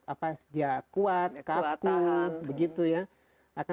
apa dia kuat kaku begitu ya